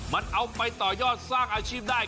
มันเอาไปต่อยอดสร้างอาชีพได้